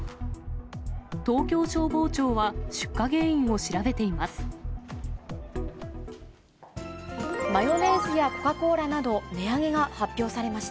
東京消防庁は、出火原因を調べています。